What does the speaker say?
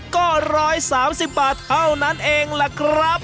ก็๑๓๐บาทเท่านั้นเองล่ะครับ